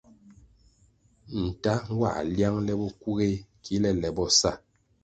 Ntah nwãh liang le bokuğéh kile le bo sa.